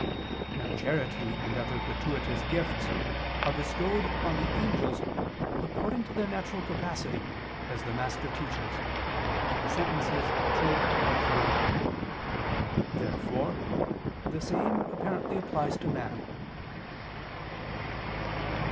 Now charity and other gratuitous gifts are bestowed on the angels, according to their natural capacity, as the Master teaches (Sent. ii, D, 3). Therefore the same apparently applies to man.